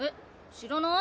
知らない？